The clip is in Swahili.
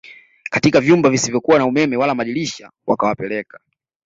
katika vyumba visivyokuwa na umeme wala madirisha wakawapeleka